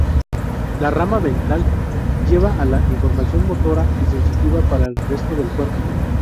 La rama ventral lleva la información motora y sensitiva para el resto del cuerpo.